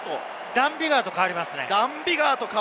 ダン・ビガーと代わります！